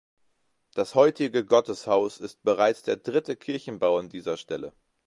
Das heutige Gotteshaus ist bereits der dritte Kirchenbau an dieser Stelle.